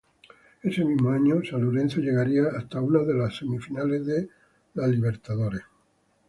Ese mismo año, San Lorenzo llegaría hasta una de las semifinales de la Libertadores.